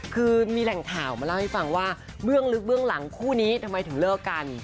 คือมีแหล่งข่าวมาเล่าให้ฟังว่าเบื้องลึกเบื้องหลังคู่นี้ทำไมถึงเลิกกัน